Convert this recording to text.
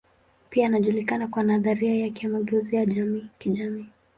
Pia anajulikana kwa nadharia yake ya mageuzi ya kijamii.